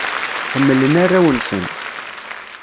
Ḥemmlen arraw-nsen.